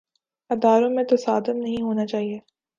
اداروں میں تصادم نہیں ہونا چاہیے۔